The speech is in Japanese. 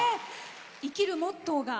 生きるモットーが。